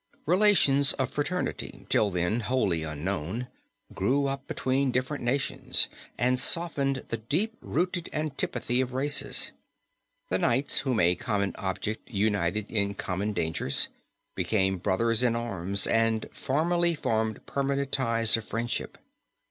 Relations of fraternity, till then wholly unknown, grew up between different nations, and softened the deep rooted antipathy of races. The knights, whom a common object united in common dangers, became brothers in arms and formally formed permanent ties of friendship.